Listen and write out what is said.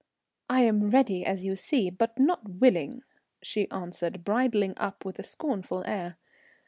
"I am ready, as you see, but not willing," she answered, bridling up with a scornful air.